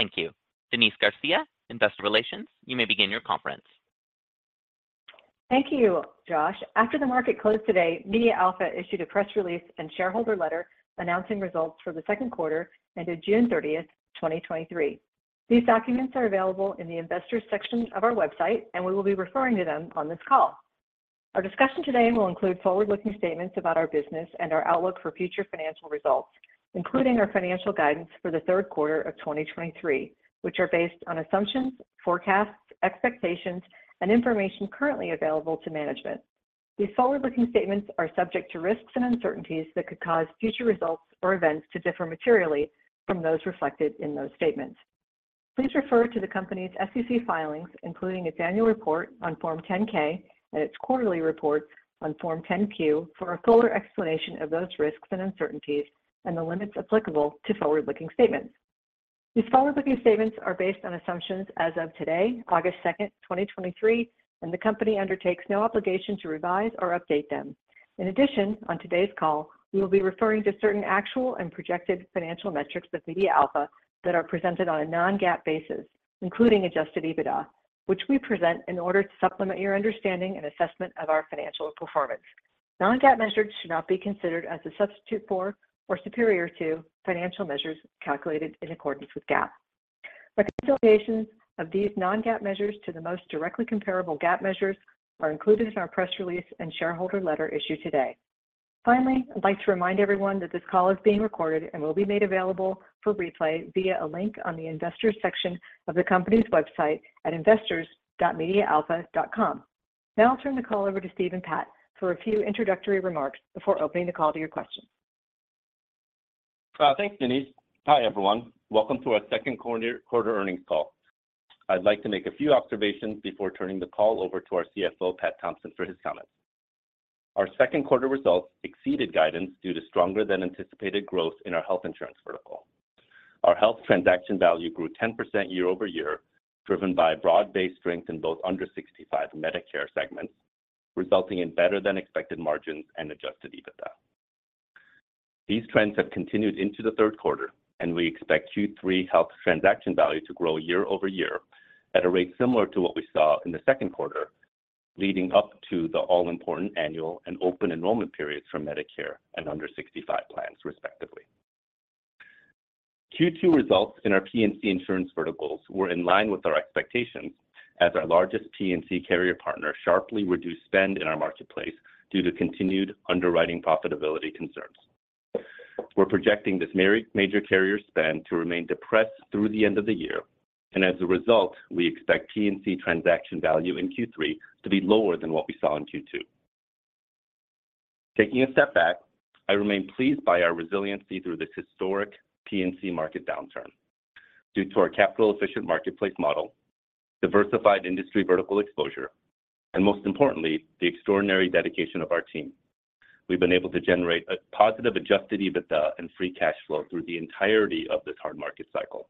Thank you. Denise Garcia, Investor Relations, you may begin your conference. Thank you, Josh. After the market closed today, MediaAlpha issued a press release and shareholder letter announcing results for the second quarter ended June 30th, 2023. These documents are available in the Investors section of our website, and we will be referring to them on this call. Our discussion today will include forward-looking statements about our business and our outlook for future financial results, including our financial guidance for the third quarter of 2023, which are based on assumptions, forecasts, expectations, and information currently available to management. These forward-looking statements are subject to risks and uncertainties that could cause future results or events to differ materially from those reflected in those statements. Please refer to the company's SEC filings, including its annual report on Form 10-K and its quarterly reports on Form 10-Q, for a fuller explanation of those risks and uncertainties and the limits applicable to forward-looking statements. These forward-looking statements are based on assumptions as of today, August 2nd, 2023. The company undertakes no obligation to revise or update them. In addition, on today's call, we will be referring to certain actual and projected financial metrics of MediaAlpha that are presented on a non-GAAP basis, including adjusted EBITDA, which we present in order to supplement your understanding and assessment of our financial performance. Non-GAAP measures should not be considered as a substitute for or superior to financial measures calculated in accordance with GAAP. Reconciliations of these non-GAAP measures to the most directly comparable GAAP measures are included in our press release and shareholder letter issued today. Finally, I'd like to remind everyone that this call is being recorded and will be made available for replay via a link on the Investors section of the company's website at investors.mediaalpha.com. Now I'll turn the call over to Steve and Pat for a few introductory remarks before opening the call to your questions. Thanks, Denise. Hi, everyone. Welcome to our second quarter earnings call. I'd like to make a few observations before turning the call over to our CFO, Pat Thompson, for his comments. Our second quarter results exceeded guidance due to stronger than anticipated growth in our health insurance vertical. Our health transaction value grew 10% year-over-year, driven by broad-based strength in both under 65 Medicare segments, resulting in better than expected margins and adjusted EBITDA. These trends have continued into the third quarter, and we expect Q3 health transaction value to grow year-over-year at a rate similar to what we saw in the second quarter, leading up to the all-important annual and open enrollment periods for Medicare and under 65 plans, respectively. Q2 results in our P&C insurance verticals were in line with our expectations, as our largest P&C carrier partner sharply reduced spend in our marketplace due to continued underwriting profitability concerns. We're projecting this major carrier spend to remain depressed through the end of the year. As a result, we expect P&C transaction value in Q3 to be lower than what we saw in Q2. Taking a step back, I remain pleased by our resiliency through this historic P&C market downturn. Due to our capital-efficient marketplace model, diversified industry vertical exposure, and most importantly, the extraordinary dedication of our team, we've been able to generate a positive adjusted EBITDA and free cash flow through the entirety of this hard market cycle.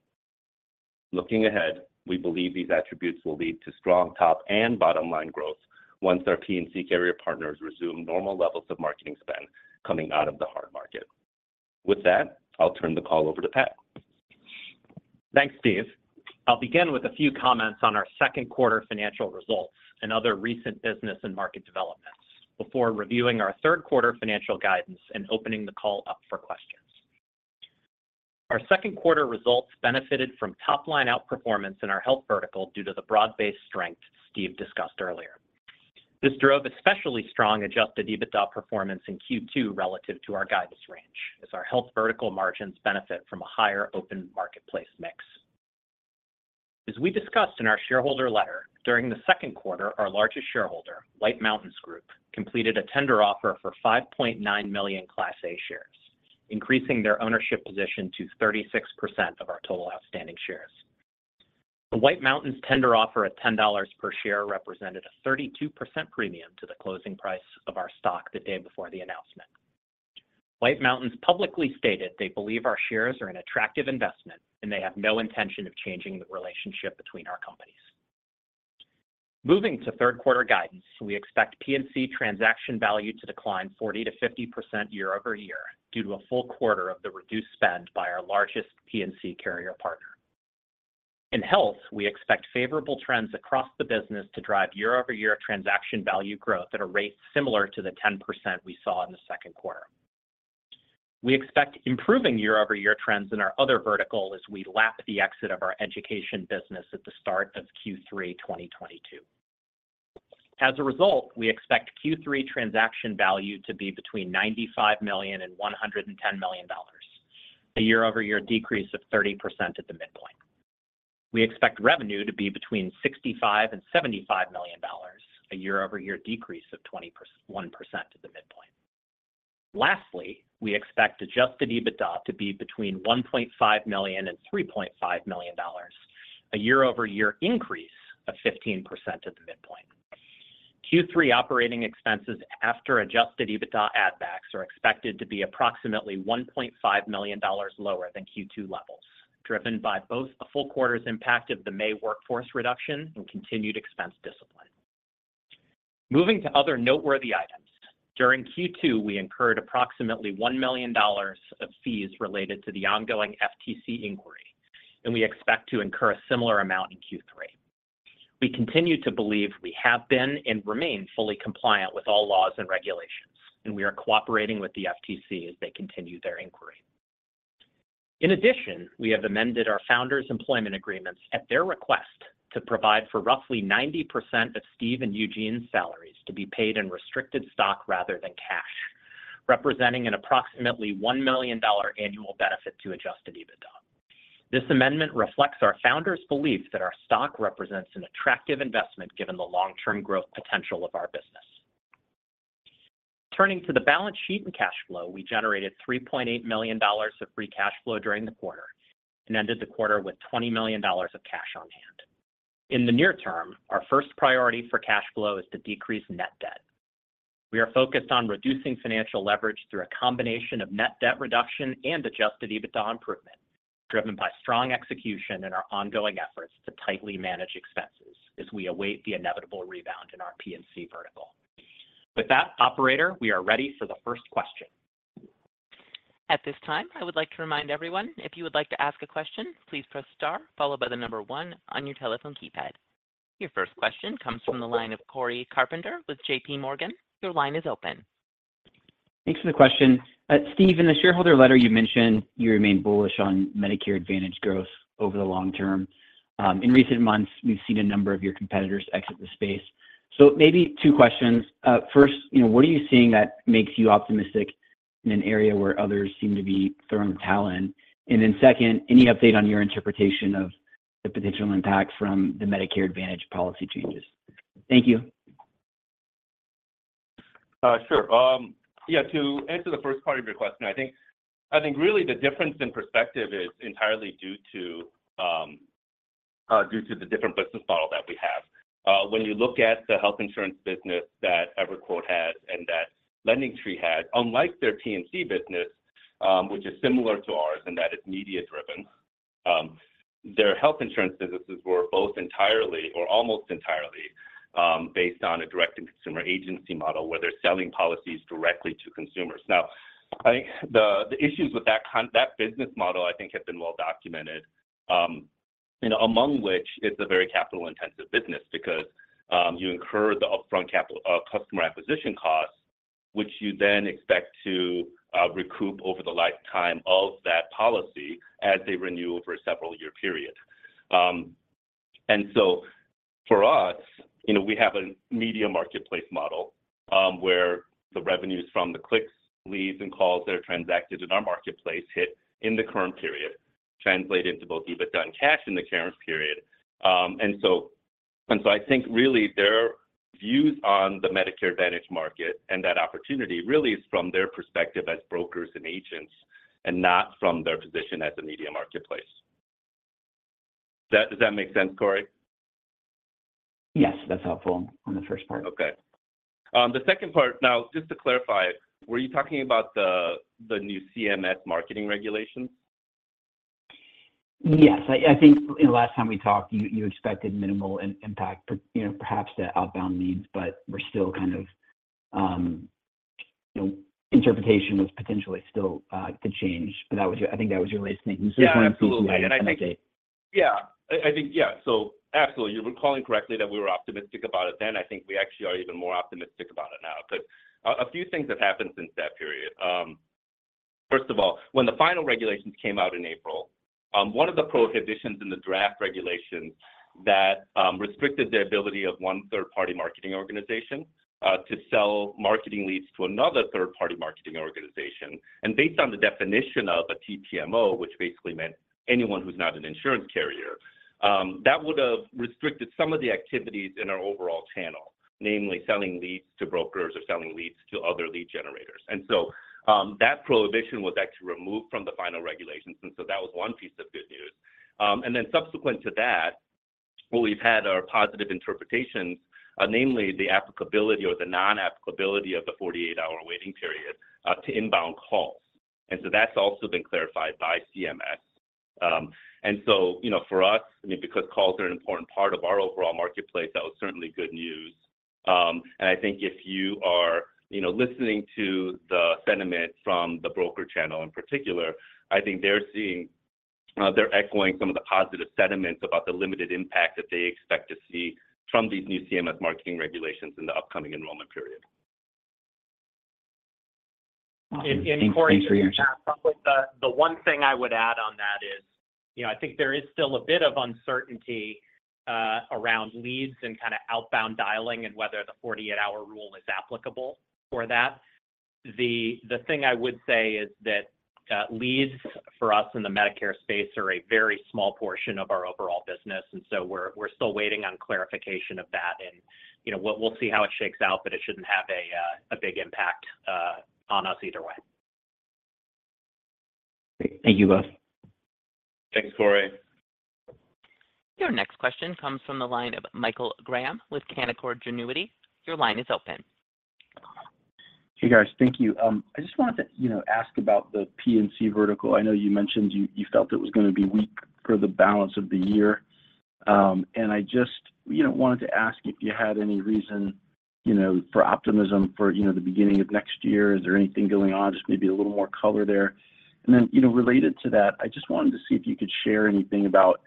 Looking ahead, we believe these attributes will lead to strong top and bottom line growth once our P&C carrier partners resume normal levels of marketing spend coming out of the hard market. With that, I'll turn the call over to Pat. Thanks, Steve. I'll begin with a few comments on our second quarter financial results and other recent business and market developments before reviewing our third quarter financial guidance and opening the call up for questions. Our second quarter results benefited from top-line outperformance in our health vertical due to the broad-based strength Steve discussed earlier. This drove especially strong adjusted EBITDA performance in Q2 relative to our guidance range, as our health vertical margins benefit from a higher open marketplace mix. As we discussed in our shareholder letter, during the second quarter, our largest shareholder, White Mountains Group, completed a tender offer for 5.9 million Class A shares, increasing their ownership position to 36% of our total outstanding shares. The White Mountains tender offer at $10 per share represented a 32% premium to the closing price of our stock the day before the announcement. White Mountains publicly stated they believe our shares are an attractive investment, and they have no intention of changing the relationship between our companies. Moving to third quarter guidance, we expect P&C transaction value to decline 40%-50% year-over-year due to a full quarter of the reduced spend by our largest P&C carrier partner. In health, we expect favorable trends across the business to drive year-over-year transaction value growth at a rate similar to the 10% we saw in the second quarter. We expect improving year-over-year trends in our other vertical as we lap the exit of our education business at the start of Q3 2022. As a result, we expect Q3 transaction value to be between $95 million and $110 million, a year-over-year decrease of 30% at the midpoint. We expect revenue to be between $65 million and $75 million, a year-over-year decrease of 21% at the midpoint. We expect adjusted EBITDA to be between $1.5 million and $3.5 million, a year-over-year increase of 15% at the midpoint. Q3 operating expenses after adjusted EBITDA add-backs are expected to be approximately $1.5 million lower than Q2 levels, driven by both a full quarter's impact of the May workforce reduction and continued expense discipline. Moving to other noteworthy items, during Q2, we incurred approximately $1 million of fees related to the ongoing FTC inquiry, and we expect to incur a similar amount in Q3. We continue to believe we have been and remain fully compliant with all laws and regulations, and we are cooperating with the FTC as they continue their inquiry. In addition, we have amended our founders' employment agreements at their request to provide for roughly 90% of Steve and Eugene's salaries to be paid in restricted stock rather than cash, representing an approximately $1 million annual benefit to adjusted EBITDA. This amendment reflects our founders' belief that our stock represents an attractive investment, given the long-term growth potential of our business. Turning to the balance sheet and cash flow, we generated $3.8 million of free cash flow during the quarter and ended the quarter with $20 million of cash on hand. In the near term, our first priority for cash flow is to decrease net debt. We are focused on reducing financial leverage through a combination of net debt reduction and adjusted EBITDA improvement, driven by strong execution and our ongoing efforts to tightly manage expenses as we await the inevitable rebound in our P&C vertical. With that, operator, we are ready for the first question. At this time, I would like to remind everyone, if you would like to ask a question, please press star followed by the number one on your telephone keypad. Your first question comes from the line of Cory Carpenter with JPMorgan. Your line is open. Thanks for the question. Steve, in the shareholder letter you mentioned you remain bullish on Medicare Advantage growth over the long term. In recent months, we've seen a number of your competitors exit the space. Maybe two questions. first what are you seeing that makes you optimistic in an area where others seem to be throwing the towel in? Second, any update on your interpretation of the potential impact from the Medicare Advantage policy changes? Thank you. Sure. Yeah, to answer the first part of your question, I think, really the difference in perspective is entirely due to the different business model that we have. When you look at the health insurance business that EverQuote had and that LendingTree had, unlike their P&C business, which is similar to ours in that it's media-driven, their health insurance businesses were both entirely or almost entirely based on a direct-to-consumer agency model, where they're selling policies directly to consumers. Now, I think the issues with that business model, I think, have been well documented among which it's a very capital-intensive business because you incur the upfront customer acquisition costs, which you then expect to recoup over the lifetime of that policy as they renew over a several-year period. For us we have a media marketplace model, where the revenues from the clicks, leads, and calls that are transacted in our marketplace hit in the current period, translate into both EBITDA and cash in the current period. I think really their views on the Medicare Advantage market and that opportunity really is from their perspective as brokers and agents and not from their position as a media marketplace. Does that, does that make sense, Cory? Yes, that's helpful on the first part. Okay. The second part, now, just to clarify, were you talking about the new CMS marketing regulations? Yes. I think the last time we talked, you expected minimal im-impact, but perhaps the outbound leads, but we're still kind of interpretation was potentially still, could change. That was your-- I think that was your latest thinking. Yeah, absolutely. Just wanted an update. Yeah. I think, yeah, so absolutely. You're recalling correctly that we were optimistic about it then. I think we actually are even more optimistic about it now. A few things have happened since that period. First of all, when the final regulations came out in April, one of the prohibitions in the draft regulation that restricted the ability of one third-party marketing organization to sell marketing leads to another third-party marketing organization, and based on the definition of a TPMO, which basically meant anyone who's not an insurance carrier, that would have restricted some of the activities in our overall channel, namely selling leads to brokers or selling leads to other lead generators. That prohibition was actually removed from the final regulations, and so that was one piece of good news. Then subsequent to that, well, we've had our positive interpretations, namely the applicability or the non-applicability of the 48-hour waiting period to inbound calls, so that's also been clarified by CMS. You know, for us, I mean, because calls are an important part of our overall marketplace, that was certainly good news. I think if you are listening to the sentiment from the broker channel in particular, I think they're seeing, they're echoing some of the positive sentiments about the limited impact that they expect to see from these new CMS marketing regulations in the upcoming enrollment period. Awesome. Thanks. Cory, the one thing I would add on that is I think there is still a bit of uncertainty around leads and kind of outbound dialing and whether the 48-hour rule is applicable for that. The thing I would say is that leads for us in the Medicare space are a very small portion of our overall business, and so we're still waiting on clarification of that. You know, we'll, we'll see how it shakes out, but it shouldn't have a big impact on us either way. Great. Thank you both. Thanks, Cory. Your next question comes from the line of Michael Graham with Canaccord Genuity. Your line is open. Hey, guys, thank you. I just wanted to ask about the P&C vertical. I know you mentioned you, you felt it was going to be weak for the balance of the year. I just wanted to ask if you had any reason for optimism for the beginning of next year. Is there anything going on? Just maybe a little more color there. Related to that, I just wanted to see if you could share anything about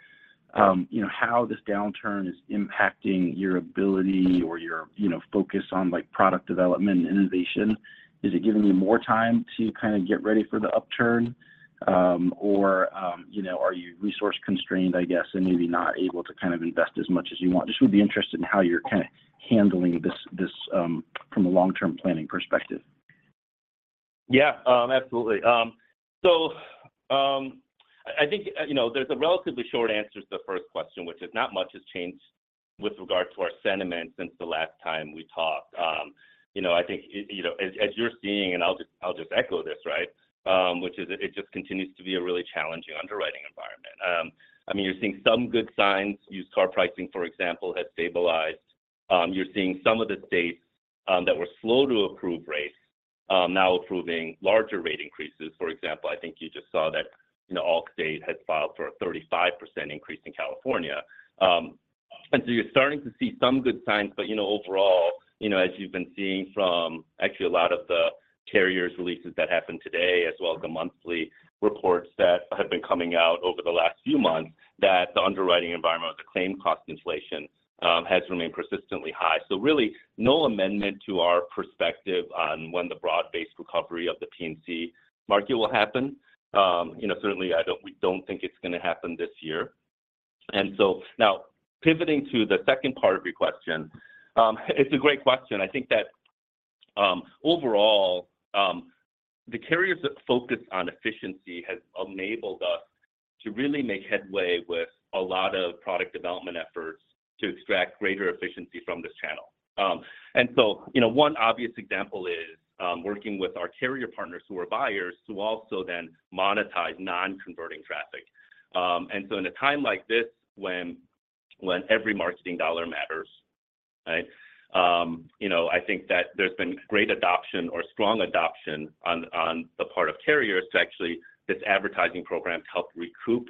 how this downturn is impacting your ability or your focus on, like, product development and innovation. Is it giving you more time to kind of get ready for the upturn, or are you resource-constrained, I guess, and maybe not able to kind of invest as much as you want? Just would be interested in how you're kind of handling this, from a long-term planning perspective. Yeah, absolutely. So, I think there's a relatively short answer to the first question, which is not much has changed with regard to our sentiment since the last time we talked. You know, I think as, as you're seeing, and I'll just, I'll just echo this, right? Which is it just continues to be a really challenging underwriting environment. I mean, you're seeing some good signs. Used car pricing, for example, has stabilized. You're seeing some of the states that were slow to approve rates, now approving larger rate increases. For example, I think you just saw that Allstate had filed for a 35% increase in California. You're starting to see some good signs but overall as you've been seeing from actually a lot of the carriers' releases that happened today, as well as the monthly reports that have been coming out over the last few months, that the underwriting environment, the claim cost inflation, has remained persistently high. Really, no amendment to our perspective on when the broad-based recovery of the P&C market will happen. You know, certainly I don't-- we don't think it's going to happen this year. Now pivoting to the second part of your question, it's a great question. I think that, overall, the carriers that focus on efficiency has enabled us to really make headway with a lot of product development efforts to extract greater efficiency from this channel. You know, one obvious example is, working with our carrier partners who are buyers, to also then monetize non-converting traffic. In a time like this, when every marketing dollar matters, right? You know, I think that there's been great adoption or strong adoption on the part of carriers to actually, this advertising program to help recoup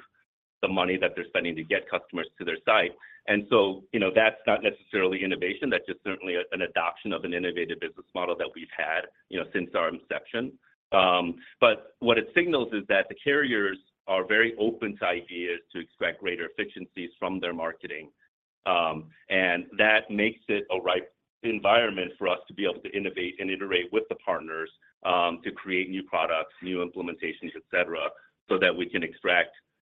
the money that they're spending to get customers to their site. You know, that's not necessarily innovation. That's just certainly an adoption of an innovative business model that we've had since our inception. But what it signals is that the carriers are very open to ideas to extract greater efficiencies from their marketing, and that makes it a ripe environment for us to be able to innovate and iterate with the partners, to create new products, new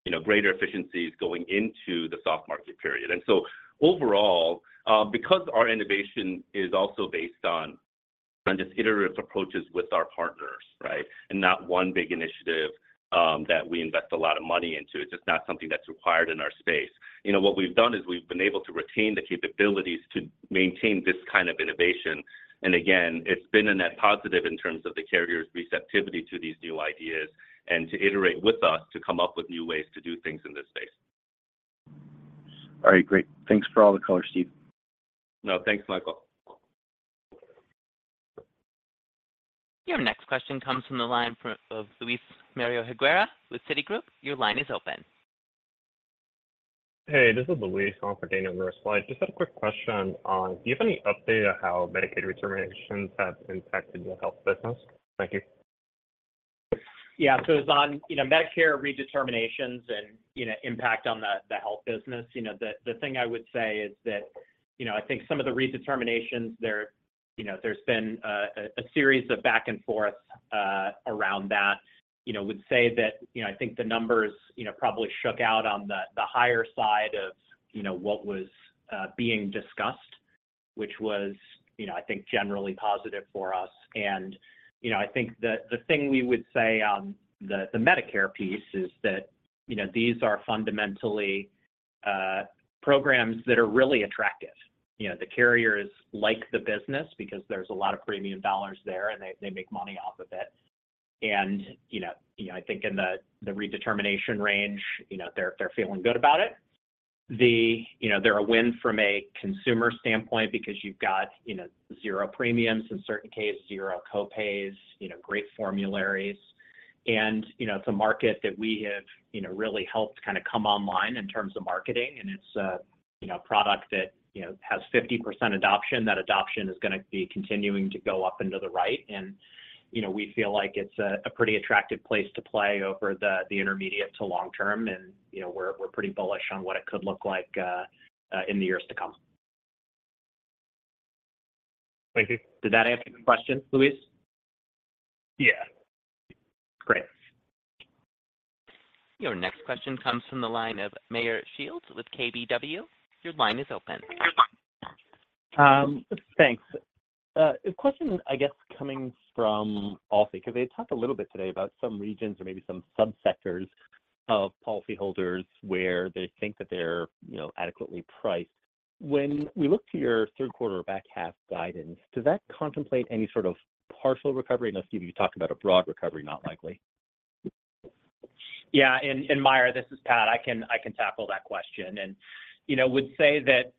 implementations, etc, so that we can extract greater efficiencies going into the soft market period. Overall, because our innovation is also based on just iterative approaches with our partners, right? And not one big initiative, that we invest a lot of money into. It's just not something that's required in our space. You know, what we've done is we've been able to retain the capabilities to maintain this kind of innovation, and again, it's been a net positive in terms of the carrier's receptivity to these new ideas and to iterate with us to come up with new ways to do things in this space. All right, great. Thanks for all the color, Steve. No, thanks, Michael. Your next question comes from the line of Luismario Higuera with Citigroup. Your line is open. Hey, this is Luis on for Daniel Grosslight. I just had a quick question on, do you have any update on how Medicaid redeterminations have impacted your health business? Thank you. Yeah. It's on Medicare redeterminations and impact on the health business. You know, the thing I would say is that I think some of the redeterminations there there's been a series of back and forth around that. You know, would say that I think the numbers probably shook out on the higher side of what was being discussed, which was I think, generally positive for us. You know, I think the thing we would say on the Medicare piece is that these are fundamentally programs that are really attractive. You know, the carriers like the business because there's a lot of premium dollars there, and theymake money off of it. I think in the redetermination range they're feeling good about it. the they're a win from a consumer standpoint because you've got, zero premiums in certain cases, zero co-pays great formularies. You know, it's a market that we have really helped kind of come online in terms of marketing, and it's a product that has 50% adoption. That adoption is going to be continuing to go up and to the right, and we feel like it's a pretty attractive place to play over the intermediate to long term. You know, we're, we're pretty bullish on what it could look like in the years to come. Thank you. Did that answer the question, Luis? Yeah. Great. Your next question comes from the line of Meyer Shields with KBW. Your line is open. Thanks. A question, I guess, coming from, because they talked a little bit today about some regions or maybe some subsectors of policyholders where they think that they're adequately priced. When we look to your third quarter or back half guidance, does that contemplate any sort of partial recovery? I know, Steve, you talked about a broad recovery, not likely. Yeah, and Meyer, this is Pat. I can tackle that question. You know, would say that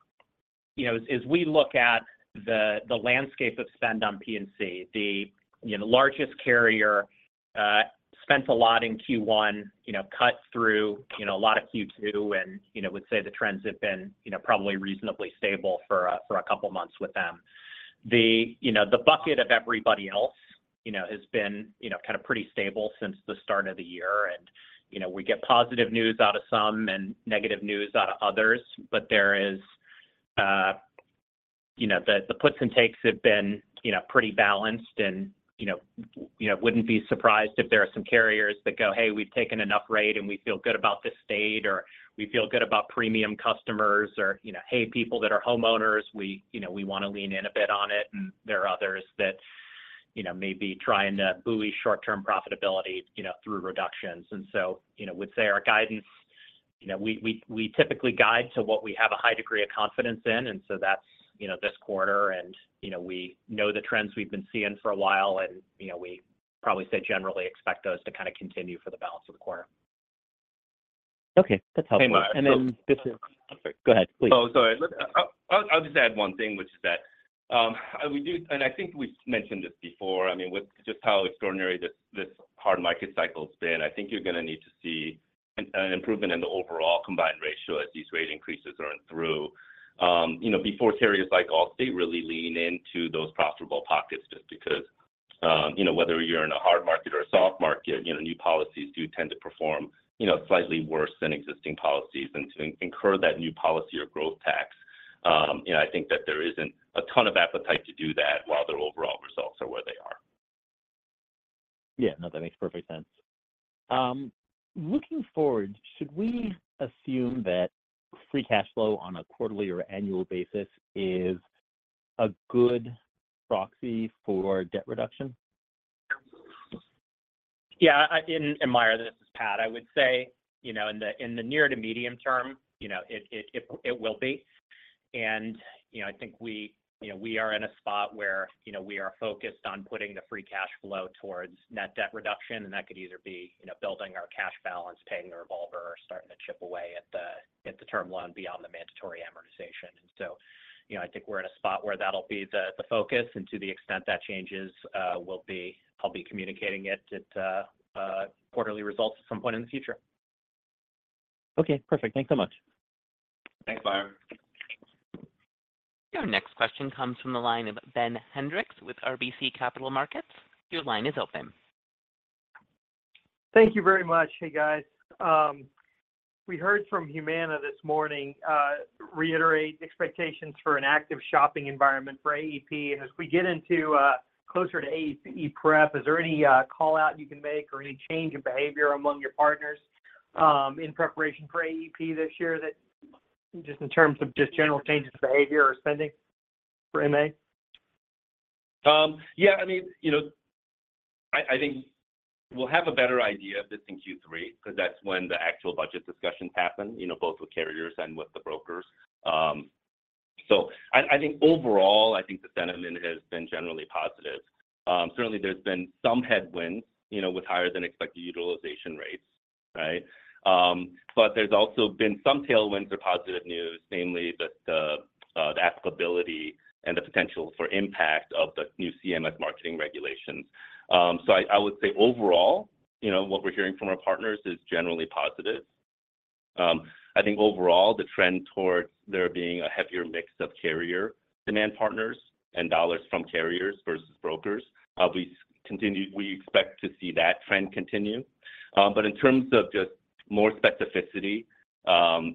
as, as we look at the landscape of spend on P&C, the largest carrier, spent a lot in q1 cut through a lot of Q2, and would say the trends have been probably reasonably stable for a, for a couple of months with them. the the bucket of everybody else has been kind of pretty stable since the start of the year. You know, we get positive news out of some and negative news out of others, but there is the puts and takes have been pretty balanced. You know, you wouldn't be surprised if there are some carriers that go, "Hey, we've taken enough rate, and we feel good about this state," or, "We feel good about premium customers," or "Hey, people that are homeowners, we want to lean in a bit on it." There are others that may be trying to buoy short-term profitability through reductions. You know, would say our guidance we typically guide to what we have a high degree of confidence in, and so that's this quarter. You know, we know the trends we've been seeing for a while, and we probably say generally expect those to kind of continue for the balance of the quarter. Okay, that's helpful. Hey, Meyer- Then this is... Go ahead, please. Oh, sorry. Let, I'll just add one thing, which is that, we do, and I think we've mentioned this before, I mean, with just how extraordinary this, this hard market cycle has been, I think you're going to need to see an, an improvement in the overall combined ratio as these rate increases earn through. You know, before carriers like Allstate really lean into those profitable pockets just because whether you're in a hard market or a soft market new policies do tend to perform slightly worse than existing policies and to in-incur that new policy or growth tax. You know, I think that there isn't a ton of appetite to do that while their overall results are where they are. Yeah, no, that makes perfect sense. Looking forward, should we assume that free cash flow on a quarterly or annual basis is a good proxy for debt reduction? Yeah, I, and Meyer, this is Pat. I would say in the, in the near to medium term it will be. I think we are in a spot where we are focused on putting the free cash flow towards net debt reduction, and that could either be building our cash balance, paying the revolver, or starting to chip away at the term loan beyond the mandatory amortization. I think we're in a spot where that'll be the focus, and to the extent that changes, I'll be communicating it at quarterly results at some point in the future. Okay, perfect. Thanks so much. Thanks, Meyer. Your next question comes from the line of Ben Hendrix with RBC Capital Markets. Your line is open. Thank you very much. Hey, guys. We heard from Humana this morning, reiterate expectations for an active shopping environment for AEP. As we get into closer to AEP prep, is there any call-out you can make or any change in behavior among your partners in preparation for AEP this year, that just in terms of just general changes in behavior or spending for MA? Yeah, I mean I think we'll have a better idea of this in Q3 because that's when the actual budget discussions happen both with carriers and with the brokers. I think overall, I think the sentiment has been generally positive. Certainly, there's been some headwinds with higher than expected utilization rates, right? There's also been some tailwinds or positive news, namely the applicability and the potential for impact of the new CMS marketing regulations. I would say overall what we're hearing from our partners is generally positive. I think overall, the trend towards there being a heavier mix of carrier demand partners and dollars from carriers versus brokers, we expect to see that trend continue. In terms of just more specificity,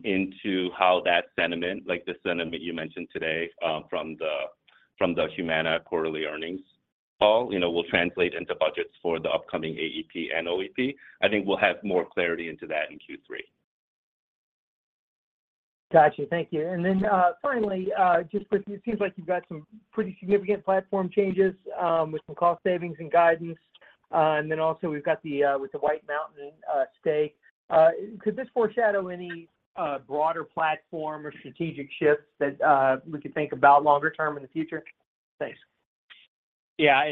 into how that sentiment, like the sentiment you mentioned today, from the, from the Humana quarterly earnings call, will translate into budgets for the upcoming AEP and OEP. I think we'll have more clarity into that in Q3. Gotcha. Thank you. Finally, just quick, it seems like you've got some pretty significant platform changes, with some cost savings and guidance. Also we've got the with the White Mountains stake. Could this foreshadow any broader platform or strategic shifts that we could think about longer term in the future? Thanks. Yeah,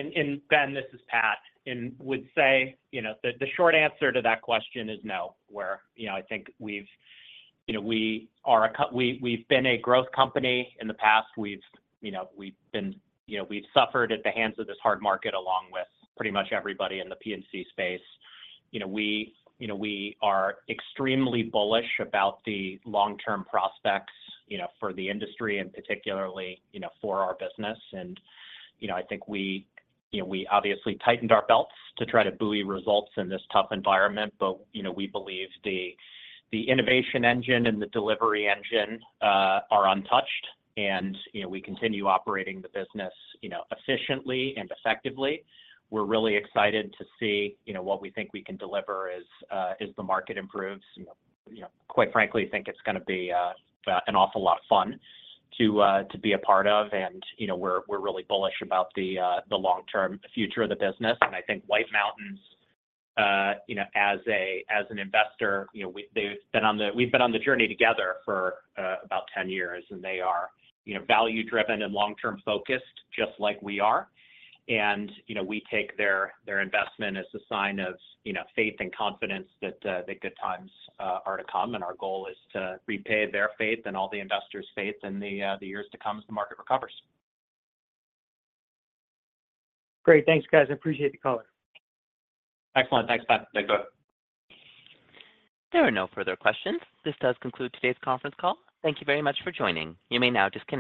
Ben, this is Pat, and would say the short answer to that question is no. where I think we've been a growth company in the past. We've been suffered at the hands of this hard market, along with pretty much everybody in the P&C space. You know, we are extremely bullish about the long-term prospects for the industry and particularly for our business. I think we obviously tightened our belts to try to buoy results in this tough environment, but we believe the innovation engine and the delivery engine are untouched, and we continue operating the business efficiently and effectively. We're really excited to see what we think we can deliver as, as the market improves. You know, quite frankly, think it's going to be, an awful lot of fun to be a part of, and we're really bullish about the long-term future of the business. I think White Mountains as an investor we've been on the journey together for, about 10 years, and they are value driven and long-term focused, just like we are. You know, we take their, their investment as a sign of faith and confidence that the good times are to come, and our goal is to repay their faith and all the investors' faith in the years to come as the market recovers. Great. Thanks, guys. I appreciate the call. Excellent. Thanks, Pat. Thanks, Ben. There are no further questions. This does conclude today's conference call. Thank you very much for joining. You may now disconnect.